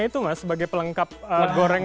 itu mas sebagai pelengkap goreng